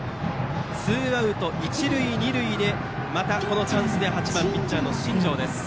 ツーアウト、一塁二塁またチャンスで８番ピッチャーの新庄。